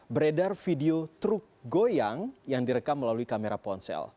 beredar video truk goyang yang direkam melalui kamera ponsel